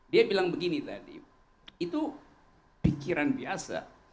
dia bilang begini tadi itu pikiran biasa